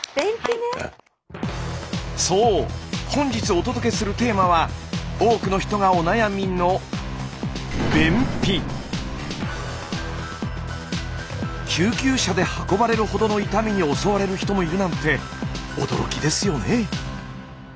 そう本日お届けするテーマは多くの人がお悩みの救急車で運ばれるほどの痛みに襲われる人もいるなんて驚きですよね。